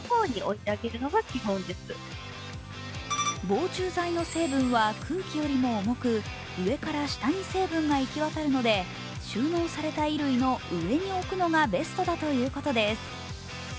防虫剤の成分は空気よりも重く上から下に成分が行き渡るので収納された衣類の上に置くのがベストだということです。